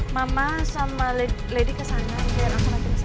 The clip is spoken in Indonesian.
mama sama lady kesana biar aku nanti kesana